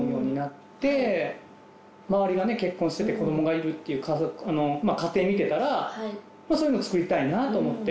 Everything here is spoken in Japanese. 周りがね結婚してて子供がいるっていう家庭見てたらそういうのつくりたいなと思って。